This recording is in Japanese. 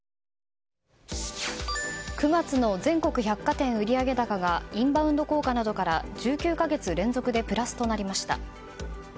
９月の全国百貨店売上高がインバウンド効果などから１９か月連続でプラスとなりました。